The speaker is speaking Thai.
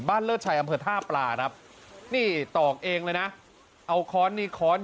บ้านเลือดชัยอบเฟิร์นทราบปลานะนี่ตอกเองเลยนะเอาคอนนี้คอนอยู่ทั้งมือขวาของท่านน่ะ